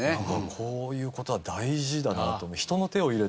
こういう事は大事だなと。